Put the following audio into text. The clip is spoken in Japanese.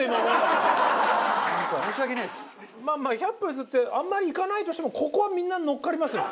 まあまあ百歩譲ってあんまり行かないとしてもここはみんな乗っかりますよ